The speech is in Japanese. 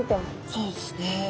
そうですね。